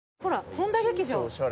本多劇場。